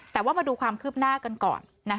แต่ว่ามาดูความคืบหน้ากันก่อน